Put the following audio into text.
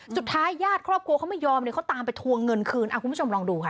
สุดท้ายญาติครอบครัวเขาไม่ยอมเนี่ยเขาตามไปทวงเงินคืนคุณผู้ชมลองดูค่ะ